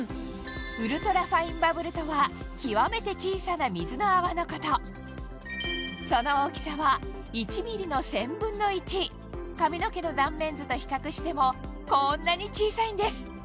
ウルトラファインバブルとは極めて小さな水の泡のことその大きさは１ｍｍの１／１０００髪の毛の断面図と比較してもこんなに小さいんです